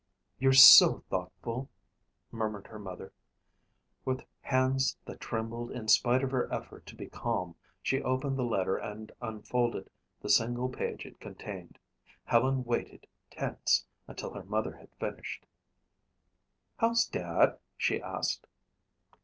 "You're so thoughtful," murmured her mother. With hands that trembled in spite of her effort to be calm, she opened the letter and unfolded the single page it contained. Helen waited, tense, until her mother had finished. "How's Dad?" she asked.